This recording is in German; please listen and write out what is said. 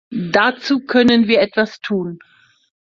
Dazu können wir etwas tun.